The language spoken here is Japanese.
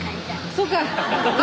そうか。